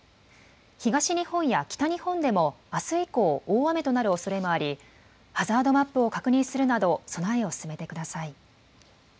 東日本や北日本でもあす以降、大雨となるおそれもありハザードマップを確認するなど備えを進めてください。